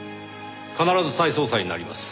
必ず再捜査になります。